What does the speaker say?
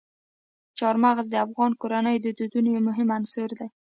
چار مغز د افغان کورنیو د دودونو یو مهم عنصر دی.